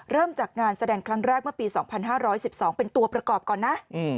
เริ่มจากงานแสดงครั้งแรกเมื่อปี๒๕๑๒เป็นตัวประกอบก่อนนะ